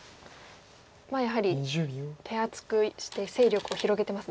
やはり手厚くして勢力を広げてますね。